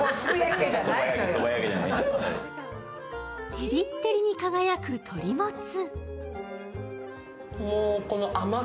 てりってりに輝く鳥もつ。